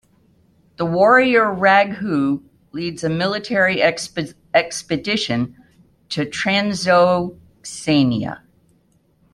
The warrior Raghu leads a military expedition to Transoxiana.